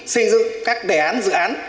xây dựng các đề án dự án